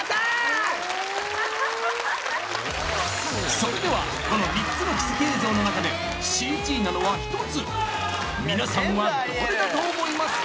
それではこの３つの奇跡映像の中でＣＧなのは１つみなさんはどれだと思いますか？